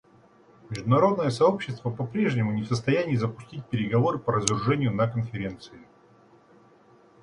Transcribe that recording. Международное сообщество по-прежнему не в состоянии запустить переговоры по разоружению на Конференции.